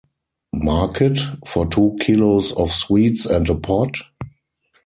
Market? For two kilos of sweets and a pot!